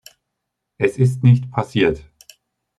Es ist nicht passiert.